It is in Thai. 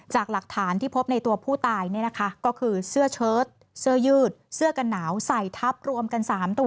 ใช่เนอะ